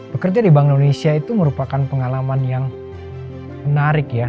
bekerja di bank indonesia itu merupakan pengalaman yang menarik ya